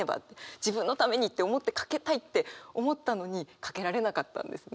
自分のためにって思ってかけたいって思ったのにかけられなかったんですね。